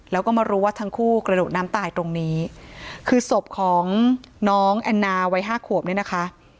แล้วก็มารู้ว่าทั้งคู่กระโดดน้ำตายตรงนี้คือศพของน้องแอนนาวัยห้าขวบเนี่ยนะคะ